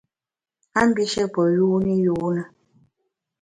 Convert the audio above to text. A mbishe pe yuni yune.